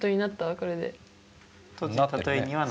これで。